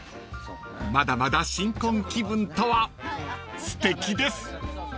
［まだまだ新婚気分とはすてきです］